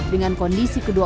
dengan kondisi kekurangan